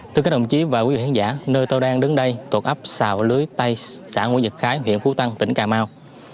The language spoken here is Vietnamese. thưa các đồng chí và quý vị khán giả nơi tôi đang đứng đây tột ấp xào lưới tay xã nguyễn việt khái huyện phú tân tỉnh cà mau